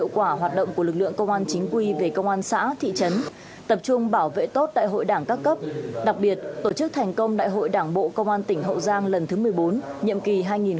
chấn tập trung bảo vệ tốt tại hội đảng các cấp đặc biệt tổ chức thành công đại hội đảng bộ công an tỉnh hậu giang lần thứ một mươi bốn nhiệm kỳ hai nghìn hai mươi hai nghìn hai mươi năm